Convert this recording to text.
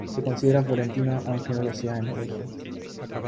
Se considera florentino aunque no lo sea en origen.